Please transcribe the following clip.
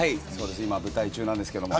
今、舞台中です。